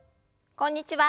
こんにちは。